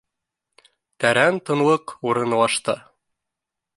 Тәрән тынлыҡ урынлашты